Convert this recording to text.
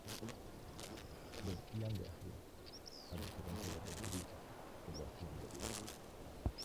Vestían de azul, a diferencia de los druidas, que lo hacían de blanco.